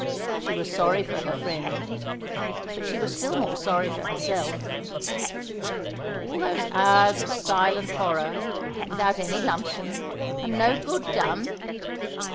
She was sorry for her friend; but she was still more sorry for herself. All those hours of silent horror, without any luncheon, and no good done!